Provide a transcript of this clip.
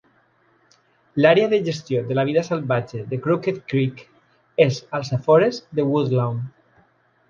L'àrea de gestió de la vida salvatge de Crooked Creek és als afores de Woodlawn.